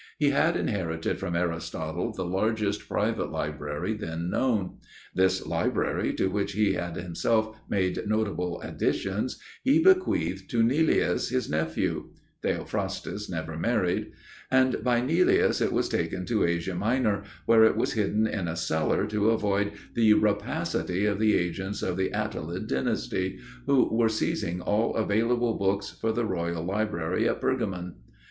He had inherited from Aristotle the largest private library then known. This library, to which he had himself made notable additions, he bequeathed to Neleus, his nephew (Theophrastus never married), and by Neleus it was taken to Asia Minor, where it was hidden in a cellar to avoid the rapacity of the agents of the Attalid dynasty, who were seizing all available books for the Royal Library at Pergamon.